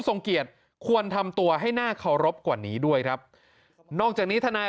ทรงเกียรติควรทำตัวให้น่าเคารพกว่านี้ด้วยครับนอกจากนี้ทนาย